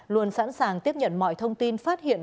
luôn sẵn sàng tiếp nhận mọi thông tin phát hiện